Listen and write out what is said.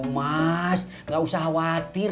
mas gak usah khawatir